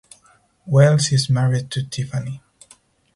Wells is married to Tiffany.